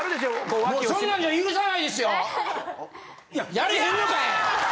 やれへんのかい！